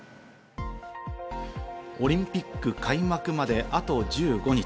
オリンピック開幕まであと１５日。